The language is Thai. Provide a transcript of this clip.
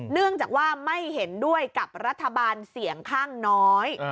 เนื่องจากว่าไม่เห็นด้วยกับรัฐบาลเสียงข้างน้อย